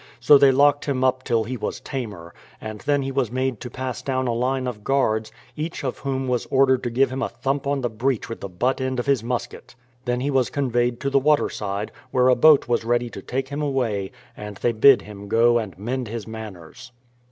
So they locked him up till he was tamer, and then he was made to pass down a line of guards, each of whom was ordered to give him a thump on the breech with the butt end of his musket. Then he was conveyed to the water side, where a boat was ready to take him away, and they bid him go and mend his manners.